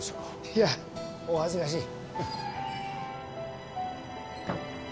いやお恥ずかしい。